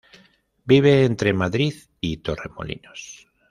Vive entre Madrid y Torremolinos.